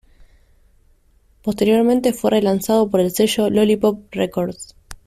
Posteriormente fue relanzado por el sello Lollipop Records.